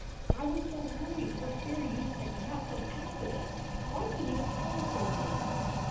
"I was so worried for fear you had had some accident. Why couldn t you have telephoned me?"